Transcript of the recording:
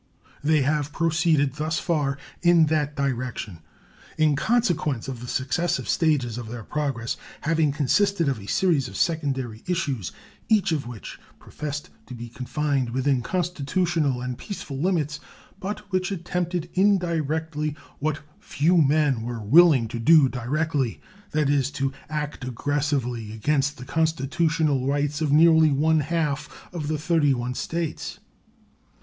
They have proceeded thus far in that direction in consequence of the successive stages of their progress having consisted of a series of secondary issues, each of which professed to be confined within constitutional and peaceful limits, but which attempted indirectly what few men were willing to do directly; that is, to act aggressively against the constitutional rights of nearly one half of the thirty one States.